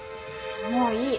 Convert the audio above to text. もういい。